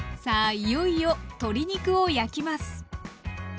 いよいよ鶏肉を焼きます。